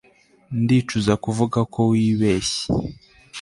ndicuza kuvuga ko wibeshye